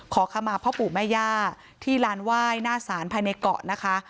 ขอขมาพ่อปู่แม่ย่าที่ลานไหว้หน้าศาลภายในเกาะนะคะ